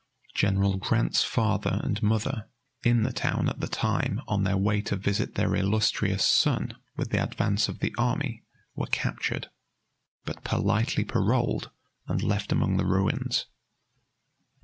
General Grant's father and mother, in the town at the time on their way to visit their illustrious son with the advance of the army, were captured, but politely paroled and left among the ruins.